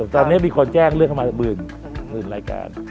จริงมีคนแจ้งเลือกเข้ามาสัก๑๐๐๐๐รายการ